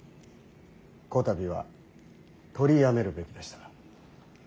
こたびは取りやめるべきでした。